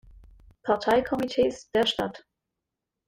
Parteikomitees der Stadt.